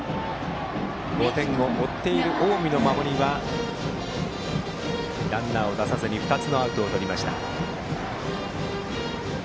５点を追っている近江の守りはランナーを出さずに２つのアウトをとりました。